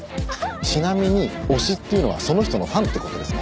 ちなみに「推し」っていうのはその人のファンって事ですね。